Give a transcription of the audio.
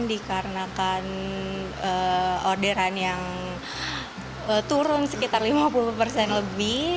dikarenakan orderan yang turun sekitar lima puluh persen lebih